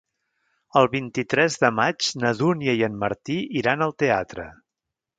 El vint-i-tres de maig na Dúnia i en Martí iran al teatre.